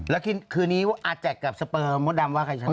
แล้วคืนนี้อาแจกกับสเปอร์มดดำว่าใครชนะ